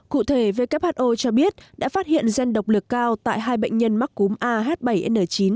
cụ thể who cho biết đã phát hiện gen độc lực cao tại hai bệnh nhân mắc cúm ah bảy n chín